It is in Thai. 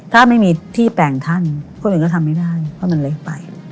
ถ้าไม่มีที่แปลงท่านคนอื่นก็ทำไม่ได้เพราะมันเล็กไป